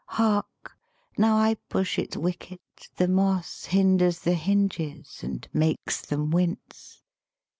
Hark, now I push its wicket, the moss Hinders the hinges and makes them wince!